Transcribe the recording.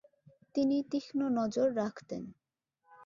তিনি তীক্ষ্ণ নজর রাখতেন।